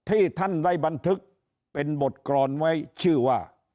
ที่ท่านได้บันทึกเป็นบทกรอนไว้ชื่อว่า